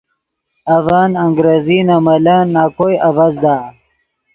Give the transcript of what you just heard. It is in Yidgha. اڤن انگریزی نے ملن نَکوئے اڤزدا۔